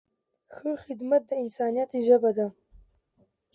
ښه خدمت د انسانیت ژبه ده.